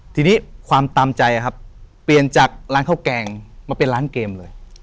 ทีนี้ความตามใจครับเปลี่ยนจากร้านข้าวแกงมาเป็นร้านเกมเลย